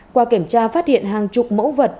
qua kiểm tra phát hiện hàng chục mẫu vật